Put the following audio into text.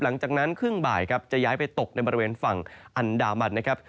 หลังจากนั้นครึ่งบ่ายครับจะย้ายไปตกในบริเวณฝั่งอันดามันนะครับ